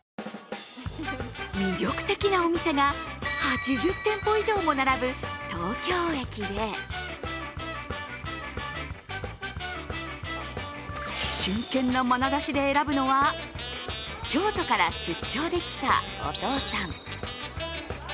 魅力的なお店が８０店舗以上も並ぶ東京駅で真剣なまなざしで選ぶのは京都から出張で来たお父さん。